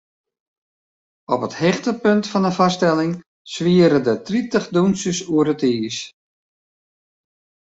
Op it hichtepunt fan de foarstelling swiere der tritich dûnsers oer it iis.